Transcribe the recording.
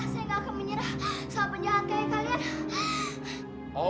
enggak saya gak akan menyerah seorang penjahat kayak kalian